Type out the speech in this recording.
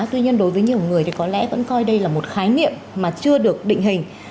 tuy nhiên đối với nhiều người thì có lẽ vẫn coi đây là một khái niệm mà chưa được định hình